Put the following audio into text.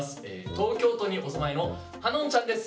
東京都にお住まいのはのんちゃんです。